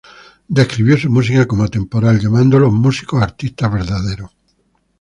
Él describió su música como "atemporal", llamándolos "músicos-artistas verdaderos.